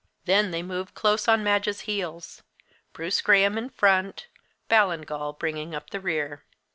Then they moved close on Madge's heels Bruce Graham in front, Ballingall bringing up the rear.